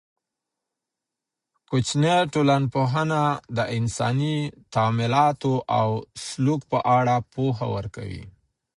کوچنۍ ټولنپوهنه د انساني تعاملاتو او سلوک په اړه پوهه ورکوي.